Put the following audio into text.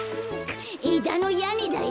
えだのやねだよ。